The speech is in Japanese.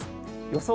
予想